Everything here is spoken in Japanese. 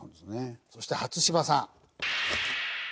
そして初芝さん。